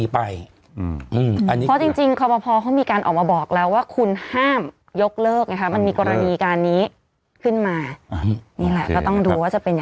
ไปก็จะมาออกไปฟองเอาก็จะเมน